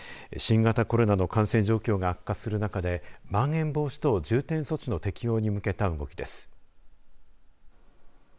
新型コロナの感染状況が悪化する中でまん延防止等重点措置の適用に向けた動きです。